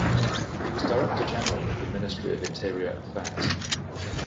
He was Director General of the Ministry of Interior Affairs.